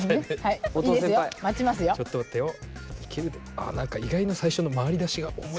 ああ何か意外と最初の回りだしが重い。